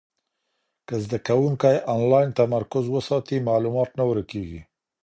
که زده کوونکی انلاین تمرکز وساتي، معلومات نه ورکېږي.